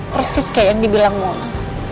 persis kayak yang dibilang moan